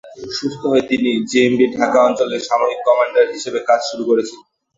সুস্থ হয়ে তিনি জেএমবির ঢাকা অঞ্চলের সামরিক কমান্ডার হিসেবে কাজ করছিলেন।